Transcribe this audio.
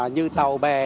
như tàu bề